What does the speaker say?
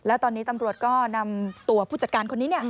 แล้วตอนนี้ตำรวจก็นำตัวผู้จัดการคนนี้